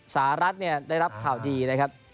สหรัฐได้รับข่าวดีนะครับ